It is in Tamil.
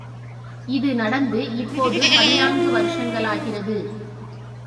இது நடந்து இப்போது பதினான்கு வருடங்களாகிறது.